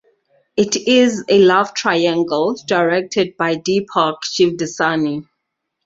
It is a love triangle directed by Deepak Shivdasani.